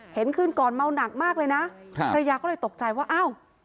เห็นคืนก่อนเมาหนักมากเลยนะภรรยาก็เลยตกใจว่าอ้าว